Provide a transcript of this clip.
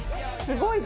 すごい！